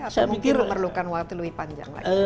atau mungkin memerlukan waktu lebih panjang lagi